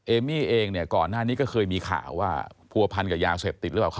เอมี่เองเนี่ยก่อนหน้านี้ก็เคยมีข่าวว่าผัวพันกับยาเสพติดหรือเปล่า